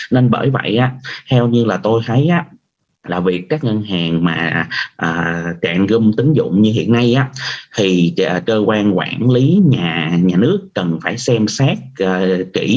nên bởi vậy theo như là tôi thấy là việc các ngân hàng mà trạm gom tính dụng như hiện nay thì cơ quan quản lý nhà nước cần phải xem xét kỹ